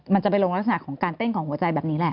มันจะไปลงลักษณะของการเต้นของหัวใจแบบนี้แหละ